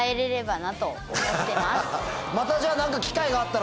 またじゃあ何か。